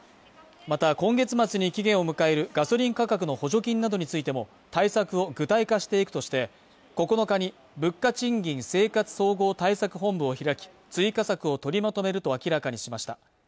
また、今月末に期限を迎えるガソリン価格の補助金などについても対策を具体化していくとして、９日に物価・賃金・生活総合対策本部を開き、追加策を取りまとめると明らかにしました。